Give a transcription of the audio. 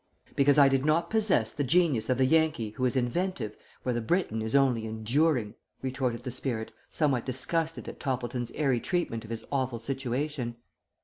"Because I did not possess the genius of the Yankee who is inventive where the Briton is only enduring," retorted the spirit, somewhat disgusted at Toppleton's airy treatment of his awful situation.